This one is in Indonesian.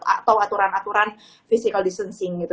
atau aturan aturan physical distancing gitu